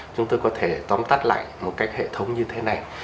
chúng tôi có thể tóm tắt lại một cách hệ thống như thế này